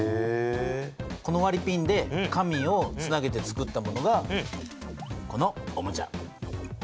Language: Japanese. このわりピンで紙をつなげてつくったものがこのおもちゃ。